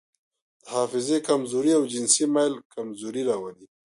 د حافظې کمزوري او جنسي میل کمزوري راولي.